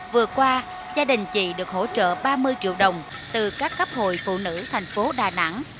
vừa qua gia đình chị được hỗ trợ ba mươi triệu đồng từ các cấp hội phụ nữ thành phố đà nẵng